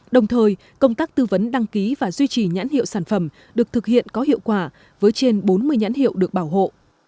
đồng thời công tác tư vấn đăng ký và duy trì nhãn hiệu sản phẩm được thực hiện có hiệu quả với trên bốn mươi nhãn hiệu được bảo hộ